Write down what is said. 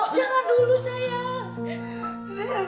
jangan dulu sayang